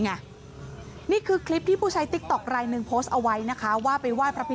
แล้วนี่คือพี่จะทำอะไรผมหรือว่าอย่างไร